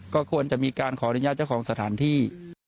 ก็ควรจะมีการขออนุญาตเจ้าของสถานที่